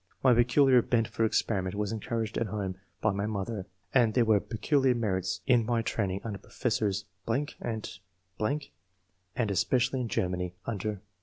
My peculiar bent for experiment was encouraged at home by my mother, and there were peculiar merits in my IV.] EDUCATION. 241 training under Professors .... at ...., and especially in Germany, under